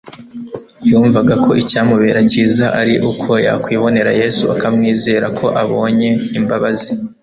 Yumvaga ko icyamubera cyiza ari uko yakwibonera Yesu akamwizeza ko abonye imbabazi,